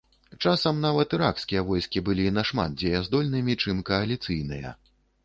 Часам нават іракскія войскі былі нашмат дзеяздольнымі, чым кааліцыйныя.